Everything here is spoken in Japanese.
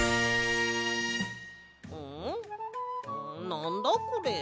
なんだこれ？